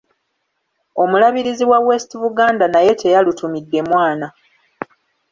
Omulabirizi wa West Buganda naye teyalutumidde mwana.